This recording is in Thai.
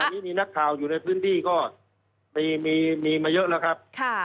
อันนี้มีนักข่าวอยู่ในพื้นที่ก็มีมาเยอะแล้วครับ